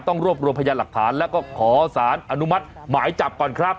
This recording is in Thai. รวบรวมพยานหลักฐานแล้วก็ขอสารอนุมัติหมายจับก่อนครับ